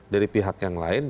dari pihak yang lain